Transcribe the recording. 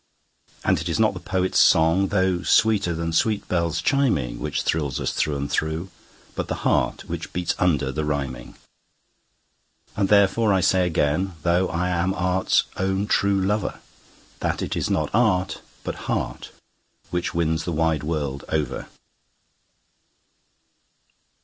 And it is not the poet's song, though sweeter than sweet bells chiming, Which thrills us through and through, but the heart which beats under the rhyming. And therefore I say again, though I am art's own true lover, That it is not art, but heart, which wins the wide world over.